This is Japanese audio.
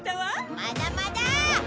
まだまだ！